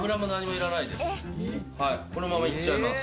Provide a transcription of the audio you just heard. このままいっちゃいます。